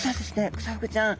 クサフグちゃん